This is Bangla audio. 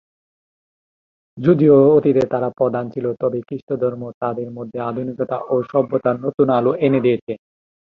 যদিও অতীতে তারা প্রধান ছিল, তবে খ্রিস্টধর্ম তাদের মধ্যে আধুনিকতা ও সভ্যতার নতুন আলো এনে দিয়েছিল।